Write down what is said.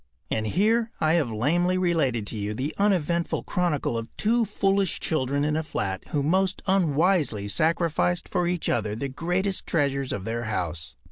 And here I have lamely related to you the uneventful chronicle of two foolish children in a flat who most unwisely sacrificed for each other the greatest treasures of their house.